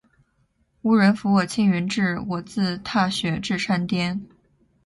无人扶我青云志，我自踏雪至山巅。